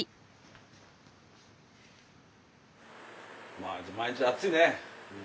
・毎日毎日暑いね。